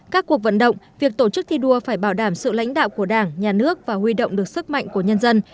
các cuộc vận động việc tổ chức thi đua phải bảo đảm sự lãnh đạo của đảng nhà nước và huy động được sức mạnh của nhân dân